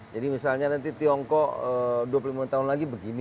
jadi misalnya nanti tiongkok dua puluh lima tahun lagi begini